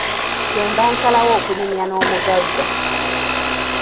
Kye nava nsalawo okunyumya n'omugagga.